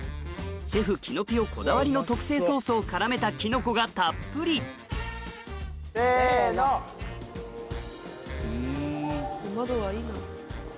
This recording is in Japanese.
シェフキノピオこだわりの特製ソースを絡めたキノコがたっぷり窓がいいな。